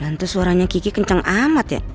nanti suaranya gigi kenceng amat ya